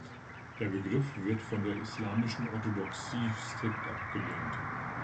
Der Begriff wird von der islamischen Orthodoxie strikt abgelehnt.